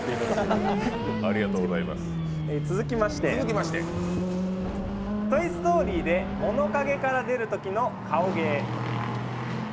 続きまして、「トイ・ストーリー」で物陰から出るときの顔芸。